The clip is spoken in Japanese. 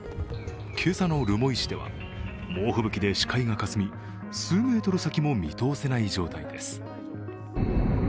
今朝の留萌市では猛吹雪で視界がかすみ数メートル先も見通せない状態です。